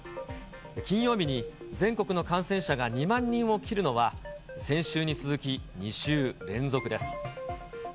金曜日に全国の感染者が２万人を切るのは、先週に続き、２週連続です。